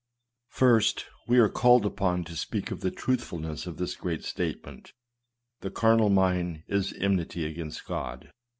I. First, we are called upon to speak of the truthful ness of this great statement. " The carnal mind is en mity against God."